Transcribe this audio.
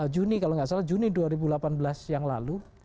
juni kalau nggak salah juni dua ribu delapan belas yang lalu